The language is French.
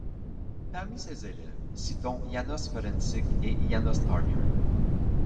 Parmi ses élèves, citons János Ferencsik et János Starker.